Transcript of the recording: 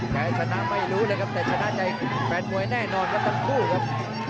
แพ้ชนะไม่รู้เลยครับแต่ชนะใจแฟนมวยแน่นอนครับทั้งคู่ครับ